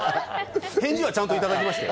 返事はちゃんといただきましたよ。